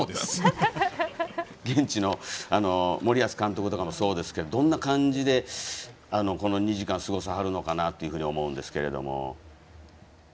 現地の森保監督とかもそうですがどんな感じで、この２時間を過ごすのかなと思うんですが。